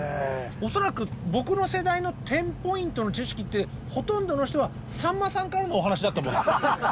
恐らく僕の世代のテンポイントの知識ってほとんどの人はさんまさんからのお話だと思うんです。